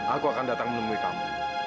aku akan datang menemui kamu